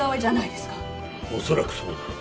「恐らくそうだろう」